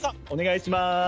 お願いします。